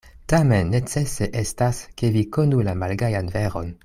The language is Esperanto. Tamen necese estas, ke vi konu la malgajan veron.